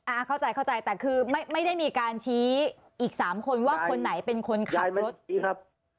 อ่าเข้าใจเข้าใจแต่คือไม่ได้มีการชี้อีกสามคนว่าคนไหนเป็นคนขับรถครับ